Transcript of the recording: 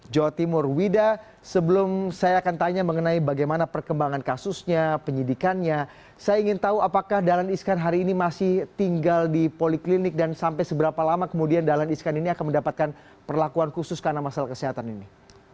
jawa timur wida sebelum saya akan tanya mengenai bagaimana perkembangan kasusnya penyidikannya saya ingin tahu apakah dahlan iskan hari ini masih tinggal di poliklinik dan sampai seberapa lama kemudian dahlan iskan ini akan mendapatkan perlakuan khusus karena masalah kesehatan ini